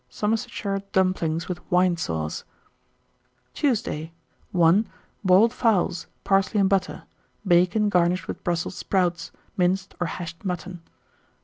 Somersetshire dumplings with wine sauce. 1904. Tuesday. 1. Boiled fowls, parsley and butter; bacon garnished with Brussels sprouts, minced or hashed mutton.